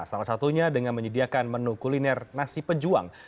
salah satunya dengan menyediakan menu kuliner nasi pejuang